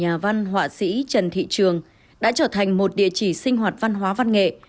nhà văn họa sĩ trần thị trường đã trở thành một địa chỉ sinh hoạt văn hóa văn nghệ